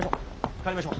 帰りましょう！